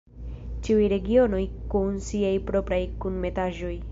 Ĉiuj regionoj kun siaj propraj kunmetaĵoj!